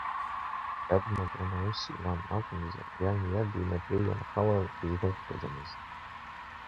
Иаб макьана аус иуан, акәымзар иани иаби инапы ианхалар изныҟәгаӡомызт.